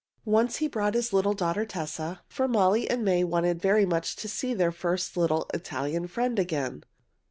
Once he brought his little daughter, Tessa, for Molly and May wanted very much to see their first little Italian friend again.